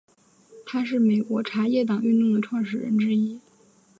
他是美国茶叶党运动的创始人之一。